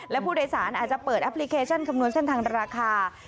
และผู้โดยสารอาจจะเปิดแอปพลิเคชันคำนวณเส้นทางราคา